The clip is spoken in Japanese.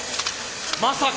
まさか。